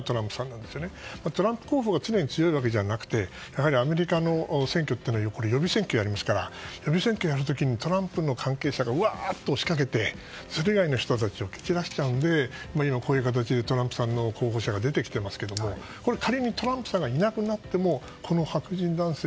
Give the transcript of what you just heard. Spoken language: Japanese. ただ、トランプ氏が常に強いわけじゃなくてアメリカの選挙は予備選挙をやりますから予備選挙をやる時にトランプの関係者がうわっと押しかけてそれ以外の人たちを蹴散らしちゃうので今こういう形でトランプさんの支持者が出てきていますけどもこれ、仮にトランプさんがいなくなっても白人男性